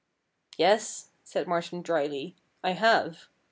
' Yes,' said Martin drily, ' I have.'